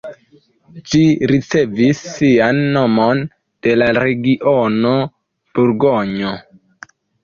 Ĝi ricevis sian nomon de la region Burgonjo.